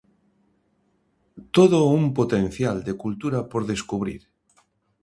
Todo un potencial de cultura por descubrir.